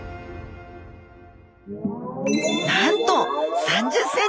なんと３０ｃｍ以上！